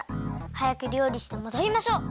はやくりょうりしてもどりましょう！